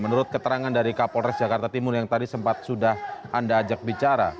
menurut keterangan dari kapolres jakarta timur yang tadi sempat sudah anda ajak bicara